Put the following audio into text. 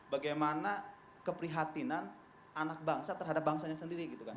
bagaimana keprihatinan anak bangsa terhadap bangsanya sendiri gitu kan